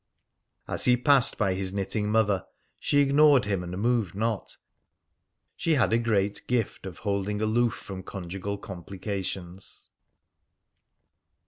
As he passed by his knitting mother, she ignored him and moved not. She had a great gift of holding aloof from conjugal complications.